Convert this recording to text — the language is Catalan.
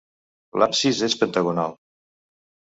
L'absis és pentagonal.